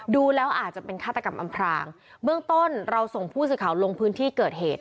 ดูแล้วอาจจะเป็นฆาตกรรมอำพรางเบื้องต้นเราส่งผู้สื่อข่าวลงพื้นที่เกิดเหตุ